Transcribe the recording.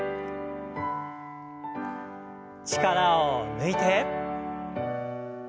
力を抜いて。